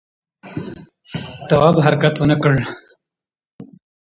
تواب حرکت ونه کړ.